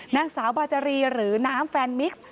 นางสาวบาจารีหรือน้ำแฟนมิกซ์